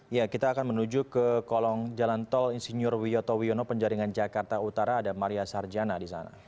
ya kita akan menuju ke kolong jalan tol insinyur wiyoto wiono penjaringan jakarta utara ada maria sarjana di sana